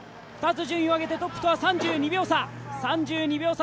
２つ順位を上げてトップとは３２秒差